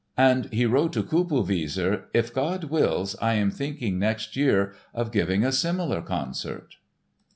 And he wrote to Kupelwieser: "If God wills, I am thinking next year of giving a similar concert!"